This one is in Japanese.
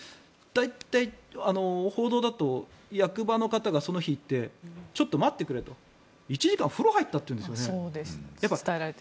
大体、報道だと役場の方がその日に行ってちょっと待ってくれと１時間、風呂に入ったっていうんですね。